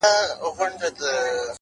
هوښیار انسان د تجربې ارزښت ساتي،